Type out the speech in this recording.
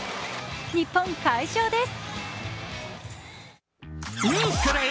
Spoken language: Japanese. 日本、快勝です。